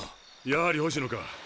やはり星野か。